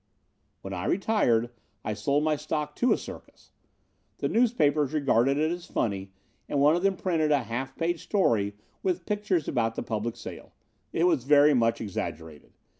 "When I retired I sold my stock to a circus. The newspapers regarded it as funny, and one of them printed a half page story with pictures about the public sale. It was very much exaggerated.